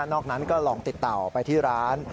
นั้นก็ลองติดต่อไปที่ร้าน